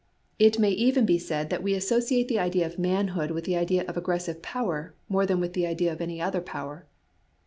It may even be said that we associate the idea of manhood with the idea of aggressive power more than with the idea of any other power.